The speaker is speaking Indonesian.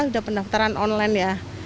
sudah pendaftaran online ya